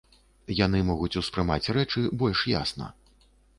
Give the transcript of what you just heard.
Яны могуць ўспрымаць рэчы больш ясна.